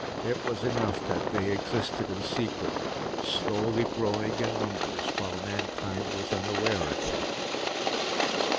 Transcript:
It was enough that they existed in secret, slowly growing in numbers while mankind was unaware of them.